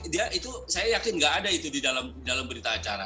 dia itu saya yakin nggak ada itu di dalam berita acara